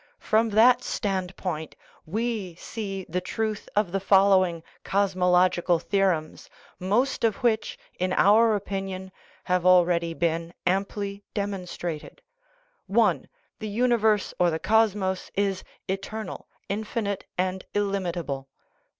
From that stand point we see the truth of the following "cosmological theorems/' most of which, in our opin ion, have already been amply demonstrated : (i) The universe, or the cosmos, is eternal, infinite, and illimitable.